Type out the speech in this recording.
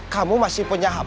kamu masih punya hp